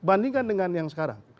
berbandingkan dengan yang sekarang